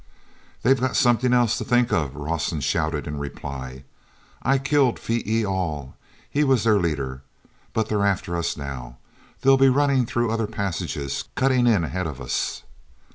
"They've got something else to think of," Rawson shouted in reply. "I killed Phee e al—he was their leader. But they're after us now. They'll be running through other passages, cutting in ahead of us."